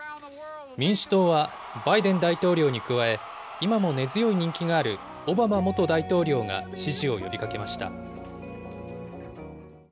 民主党はバイデン大統領に加え、今も根強い人気があるオバマ元大統領が支持を呼びかけました。